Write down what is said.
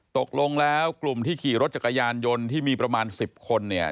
ตกลงแล้วกลุ่มที่ขี่รถจักรยานยนต์ที่มีประมาณ๑๐คนเนี่ย